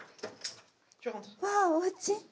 わぁおうち。